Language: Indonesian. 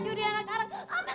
aku keluarin keluarin